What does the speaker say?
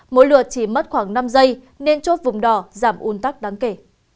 mỗi lượt chỉ mất khoảng năm giây nên chốt vùng đỏ giảm un tắc đáng kể